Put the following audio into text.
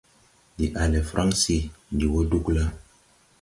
Ndi a le Fransi. Ndi wo Dugla.